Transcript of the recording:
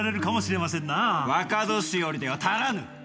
若年寄では足らぬ！